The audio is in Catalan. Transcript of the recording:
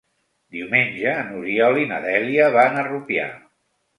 Diumenge n'Oriol i na Dèlia van a Rupià.